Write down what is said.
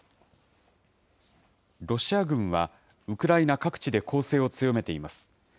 ロシア軍は、ウクライナ各地で攻勢を強めています。